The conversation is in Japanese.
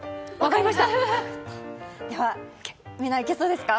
みんないけそうですか？